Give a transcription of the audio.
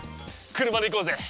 車で行こうぜ。